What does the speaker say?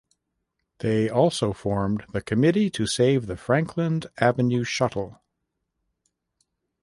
They also formed the Committee to Save the Franklin Avenue Shuttle.